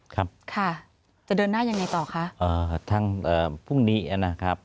ครับค่ะจะเดินหน้ายังไงต่อคะอ่าทั้งเอ่อพรุ่งนี้นะครับ